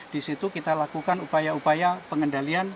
di situ kita lakukan upaya upaya pengendalian